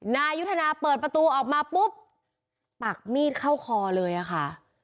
นายุทธนาเปิดประตูออกมาปุ๊บตักมีดเข้าคอเลยอะค่ะ